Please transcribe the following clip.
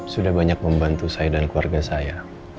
sudah banyak membantu saya dan keluarga saya